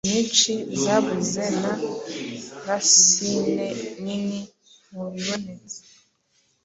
nyinshi zabuze na lacune nini mubibonetse